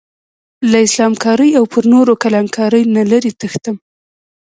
له اسلام کارۍ او پر نورو کلان کارۍ نه لرې تښتم.